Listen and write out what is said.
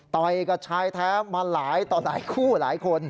ต่อยกับชายแท้มาหลายต่อหลายคู่หลายคน